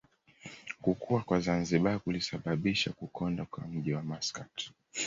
Kukua kwa Zanzibar kulisababisha kukonda kwa mji wa Maskat